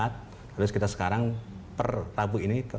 terus kita sekarang per tabu ini